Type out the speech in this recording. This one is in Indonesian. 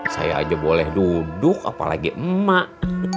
saya aja boleh duduk apalagi emak